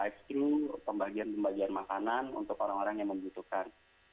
pembagian pembagian makanan untuk orang orang yang membutuhkan